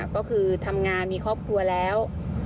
ก็คือทำงานมีครอบครัวแล้ว